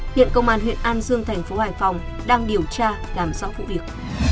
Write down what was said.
hiện công an huyện an dương tp hải phòng đang điều tra làm rõ vụ việc